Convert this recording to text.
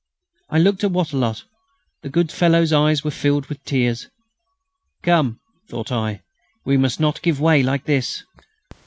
I looked at Wattrelot. The good fellow's eyes were filled with tears. "Come!" thought I, "we must not give way like this."